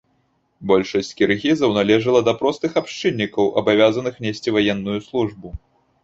Большасць кіргізаў належыла да простых абшчыннікаў, абавязаных несці ваенную службу.